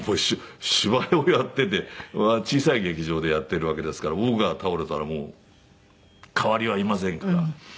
芝居をやってて小さい劇場でやってるわけですから僕が倒れたらもう代わりはいませんから。